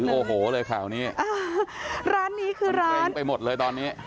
เชิงไปหมดเลยตอนนี้